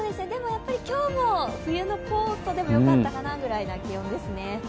でも、今日も冬のコートでもよかったかなぐらいの気温ですね。